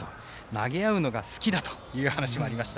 投げ合うのが好きだという話がありました。